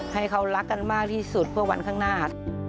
ให้เขารักกันมากที่สุดเพื่อวันข้างหน้า